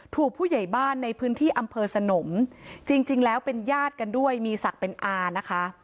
ผู้ใหญ่บ้านในพื้นที่อำเภอสนมจริงแล้วเป็นญาติกันด้วยมีศักดิ์เป็นอานะคะ